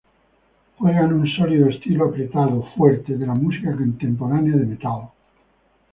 Juegan un sólido estilo apretado, fuerte, de la música contemporánea de metal.